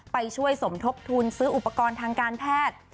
ไปช่วยสมทบทุนซื้ออุปกรณ์ทางการแพทย์